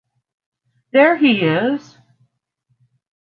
There he is!